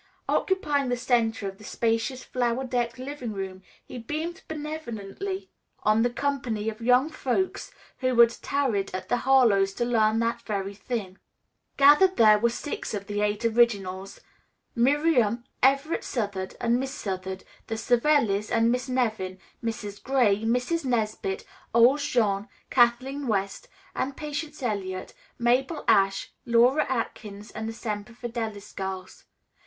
Occupying the center of the spacious flower decked living room he beamed benevolently on the company of young folks who had tarried at the Harlowes' to learn that very thing. Gathered there were six of the Eight Originals, Miriam, Everett Southard and Miss Southard, the Savellis and Miss Nevin, Mrs. Gray, Mrs. Nesbit, old Jean, Kathleen West and Patience Eliot, Mabel Ashe, Laura Atkins and the Semper Fidelis girls.